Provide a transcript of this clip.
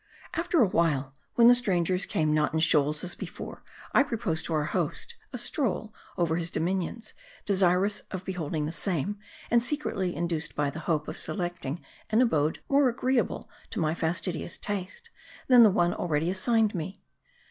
AFTER a while, when the strangers came not in shoals as before, I proposed to our host, a stroll over his dominions ; desirous of beholding the same, and secretly induced by the hope of selecting an abode, more agreeable to my fastidious taste, than the one already assigned me.